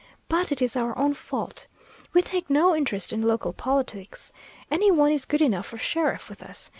But it is our own fault. We take no interest in local politics. Any one is good enough for sheriff with us.